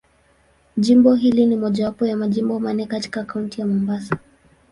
Jimbo hili ni mojawapo ya Majimbo manne katika Kaunti ya Mombasa.